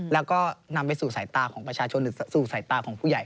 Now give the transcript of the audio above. แล้วก็นำไปสู่สายตาของประชาชนหรือสู่สายตาของผู้ใหญ่